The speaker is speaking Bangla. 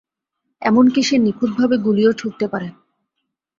এমনকি সে, নিখুঁত ভাবে গুলিও ছুড়তে পারে।